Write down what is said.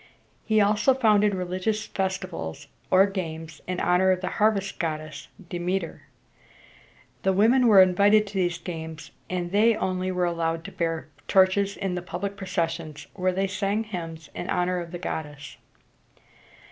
He also founded religious festivals or games in honor of the harvest goddess, De me´ter. The women were invited to these games, and they only were allowed to bear torches in the public processions, where they sang hymns in honor of the goddess.